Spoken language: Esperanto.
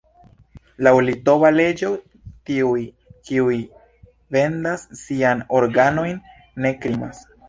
Laŭ litova leĝo tiuj, kiuj vendas sian organojn, ne krimas.